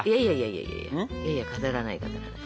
いやいやいや飾らない飾らない。